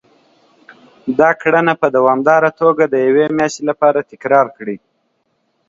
دا کړنه په دوامداره توګه د يوې مياشتې لپاره تکرار کړئ.